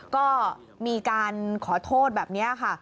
ก็มีการขอโทษแบบนี้ค่ะ